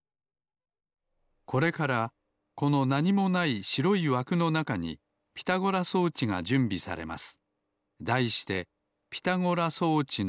これからこのなにもないしろいわくのなかにピタゴラ装置がじゅんびされます。